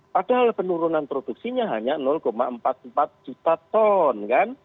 padahal penurunan produksinya hanya empat puluh empat juta ton